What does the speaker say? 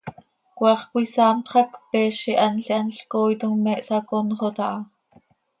Cmaax cömisaanpx hac, peez ihanl ihanl cooitom me hsaconxot aha.